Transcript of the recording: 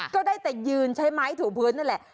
ก็ได้แต่ยืนใช้ไม้ถูพื้นนั่นแหละ